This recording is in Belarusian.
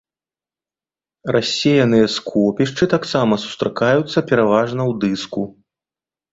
Рассеяныя скопішчы таксама сустракаюцца пераважна ў дыску.